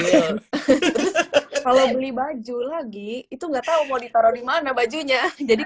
kita beli baju lebaran soalnya rumah kita kecil kalo beli baju lagi itu enggak tahu mau ditaruh dimana bajunya jadi